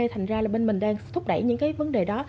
thành ra là bên mình đang thúc đẩy những cái vấn đề đó